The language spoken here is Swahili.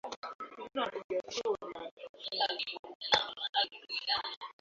Mfumuko wa Bei Nchini Uganda ambako usambazaji mafuta umevurugika tangu Januari